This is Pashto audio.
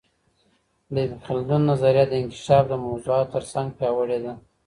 د ابن خلدون نظریه د انکشاف د موضوعاتو ترڅنګ پياوړې ده.